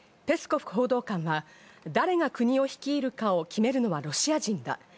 ペスコフ報道官は、誰が国を率いるかを決めるのはロシア人だ。